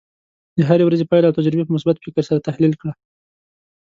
د هرې ورځې پایله او تجربې په مثبت فکر سره تحلیل کړه.